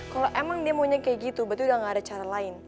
kalau emang dia maunya kayak gitu berarti udah gak ada cara lain